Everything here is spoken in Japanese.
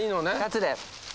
２つで。